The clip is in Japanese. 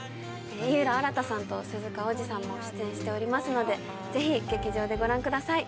井浦新さんと鈴鹿央士さんも出演しておりますのでぜひ劇場でご覧ください